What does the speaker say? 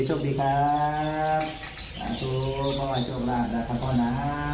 โชคดีครับหล่าทูพ่อวัยโชคมากรับทั้งพ่อนะ